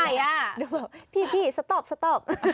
เดี๋ยวบอกพี่พี่สต๊อปสต๊อป